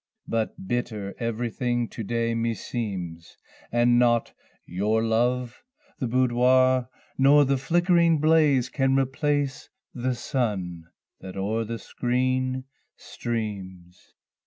but bitter everything to day meseems: And nought your love, the boudoir, nor the flickering blaze, Can replace the sun that o'er the screen streams.